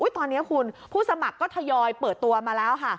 ตอนนี้คุณผู้สมัครก็ทยอยเปิดตัวมาแล้วค่ะ